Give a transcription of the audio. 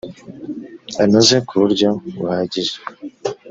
anoze ku buryo buhagije